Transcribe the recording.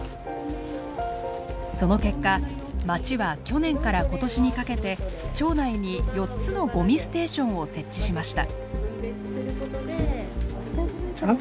その結果まちは去年から今年にかけて町内に４つのごみステーションを設置しました。